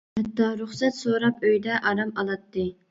ھەتتا رۇخسەت سوراپ ئۆيدە ئارام ئالاتتى.